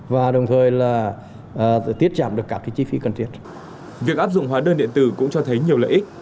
việc áp dụng hóa đơn điện tử cũng cho thấy nhiều lợi ích